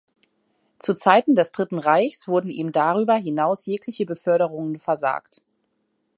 Zu Zeiten des Dritten Reichs wurden ihm darüber hinaus jegliche Beförderungen versagt.